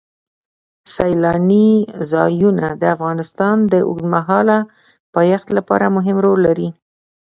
سیلانی ځایونه د افغانستان د اوږدمهاله پایښت لپاره مهم رول لري.